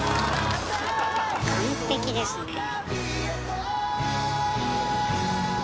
完璧ですねえ。